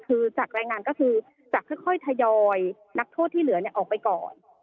คือจากรายงานก็คือจะค่อยทยอยนักโทษที่เหลือออกไปก่อน